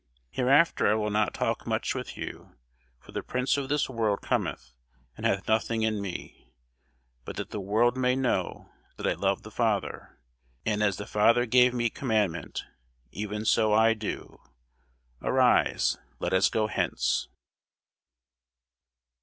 Hereafter I will not talk much with you: for the prince of this world cometh, and hath nothing in me. But that the world may know that I love the Father; and as the Father gave me commandment, even so I do. Arise, let us go hence.